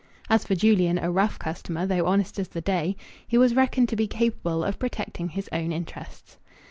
As for Julian, "a rough customer, though honest as the day," he was reckoned to be capable of protecting his own interests.